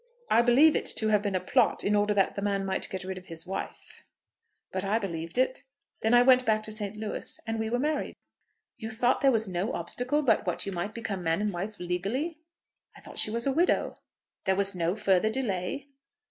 I believe it to have been a plot in order that the man might get rid of his wife. But I believed it. Then I went back to St. Louis, and we were married." "You thought there was no obstacle but what you might become man and wife legally?" "I thought she was a widow." "There was no further delay?"